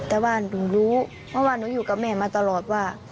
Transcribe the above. แต่ว่าหนูรู้เพราะว่าหนูอยู่กับแม่มาตลอดว่า